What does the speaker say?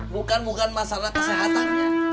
bukan bukan masalah kesehatannya